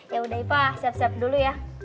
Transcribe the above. yaudah iva siap siap dulu ya